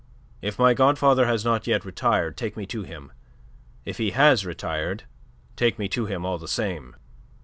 "If my godfather has not yet retired, take me to him. If he has retired, take me to him all the same."